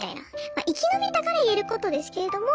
まあ生き延びたから言えることですけれども。